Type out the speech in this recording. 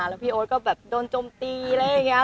แล้วพี่โอ๊ตก็แบบโดนจมตีอะไรอย่างนี้